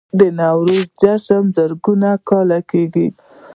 د نوروز جشن زرګونه کاله کیږي